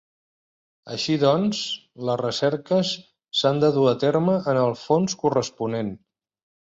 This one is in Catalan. Així doncs, les recerques s'han de dur a terme en el fons corresponent.